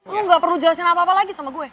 lo gak perlu jelasin apa apa lagi sama gue